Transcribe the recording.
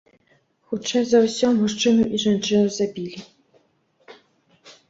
Хутчэй за ўсё, мужчыну і жанчыну забілі.